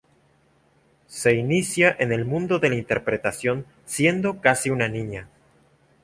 Se inicia en el mundo de la interpretación siendo casi una niña.